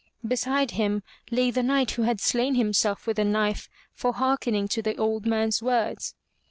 Beside him lay the knight who had slain himself with a knife for hearkening to the old man's words.